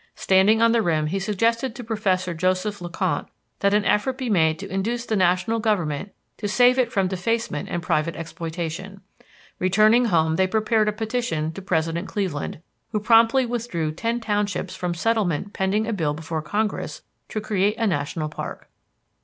Standing on the rim he suggested to Professor Joseph Le Conte that an effort be made to induce the national government to save it from defacement and private exploitation. Returning home they prepared a petition to President Cleveland, who promptly withdrew ten townships from settlement pending a bill before Congress to create a national park.